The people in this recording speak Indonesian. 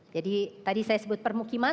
jadi tadi saya sebut permukiman